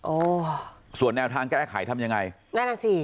โอ้ส่วนแนวทางแก้ไขทำยังไงนั่นอ่ะสิ